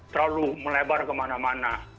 terlalu melebar kemana mana